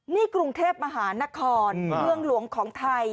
นี่กรุงเทพมหานครเมืองหลวงของไทย